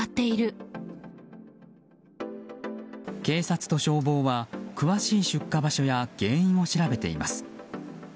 警察と消防は詳しい出火場所や原因を調べています。